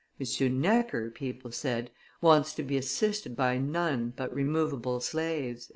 Necker," people said, "wants to be assisted by none but removable slaves."